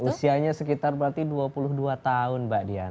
usianya sekitar berarti dua puluh dua tahun mbak dian